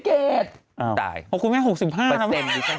เกรดตายเปอร์เซ็นต์๐๗สมัยก่อนเปอร์เซ็นต์